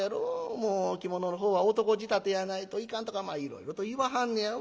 もう着物のほうは男仕立てやないといかんとかいろいろと言わはんのやわ。